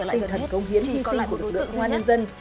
tinh thần công hiến hy sinh của lực lượng công an nhân dân